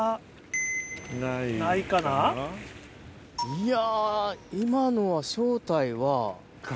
いや。